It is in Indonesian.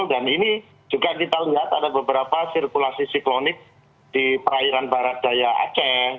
ini juga kita lihat ada beberapa sirkulasi siklonik di perairan barat daya aceh